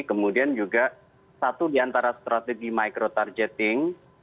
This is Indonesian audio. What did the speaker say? kemudian juga satu di antara strategi micro targeting